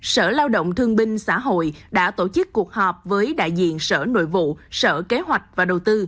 sở lao động thương binh xã hội đã tổ chức cuộc họp với đại diện sở nội vụ sở kế hoạch và đầu tư